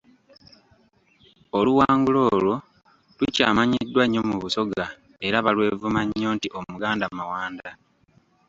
Oluwangula olwo lukyamanyiddwa nnyo mu Busoga era balwevuma nnyo nti Omuganda Mawanda.